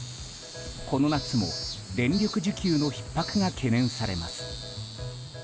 この夏も電力需給のひっ迫が懸念されます。